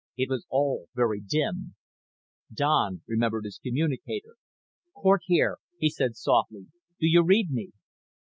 It was all very dim. Don remembered his communicator. "Cort here," he said softly. "Do you read me?"